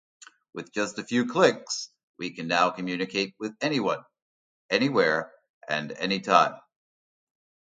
With just a few clicks, we can now communicate with anyone, anywhere, and anytime.